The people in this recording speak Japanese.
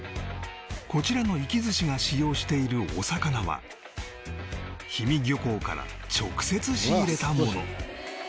こちらの粋鮨が使用しているお魚は氷見漁港から直接仕入れたもの